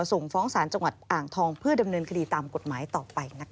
ส่งฟ้องศาลจังหวัดอ่างทองเพื่อดำเนินคดีตามกฎหมายต่อไปนะคะ